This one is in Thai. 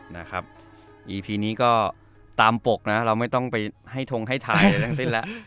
นะครับอีพีนี้ก็ตามปกนะเราไม่ต้องไปให้ทงให้ถ่ายอะไรทั้งสิ้นแล้ว